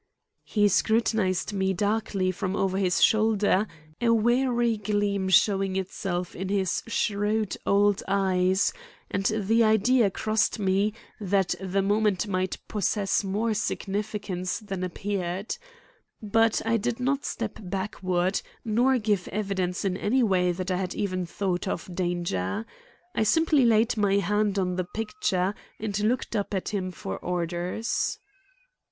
He scrutinized me darkly from over his shoulder, a wary gleam showing itself in his shrewd old eyes; and the idea crossed me that the moment might possess more significance than appeared. But I did not step backward, nor give evidence in any way that I had even thought of danger. I simply laid my hand on the picture and looked up at him for orders.